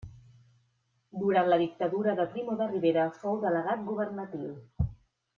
Durant la Dictadura de Primo de Rivera fou delegat governatiu.